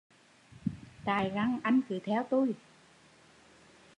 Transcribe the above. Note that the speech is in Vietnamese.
Tại răng anh cứ theo tui